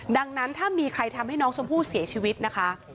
ดังนั้นถ้ามีใครทำให้น้องชมพู่เสียชีวิตนะคะ